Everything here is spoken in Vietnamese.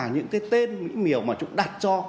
những cái tên mỹ miều mà chúng đặt cho